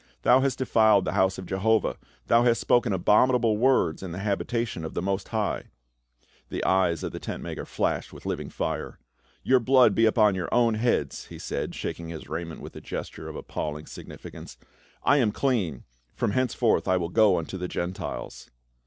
" Thou hast defiled the house of Jehovah ; thou hast spoken abominable words in the habitation of the Most High !" The eyes of the tent maker flashed living fire. "Your blood be upon your own heads," he said, shaking his raiment with a gesture of appalling sig nificance. " I am clean : from henceforth I will go unto the Gentiles."